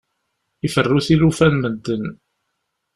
Iferru tilufa n medden.